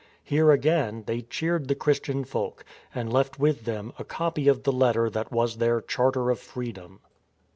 Here, again, they cheered the Christian folk, and left with them a copy of the letter that was their Charter of Freedom.